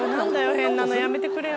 変なのやめてくれよ。